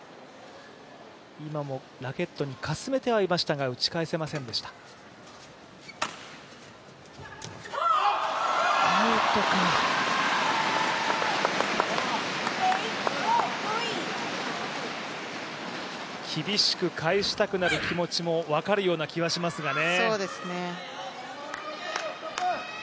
今もラケットにかすめてはいましたが、打ち返せませんでした厳しく返したくなる気持ちも分かるような気もしますがね。